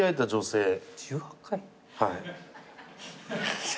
はい。